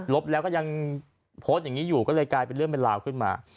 แล้วก็ยังโพสต์อย่างนี้อยู่ก็เลยกลายเป็นเรื่องเป็นราวขึ้นมา